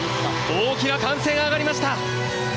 大きな歓声が上がりました！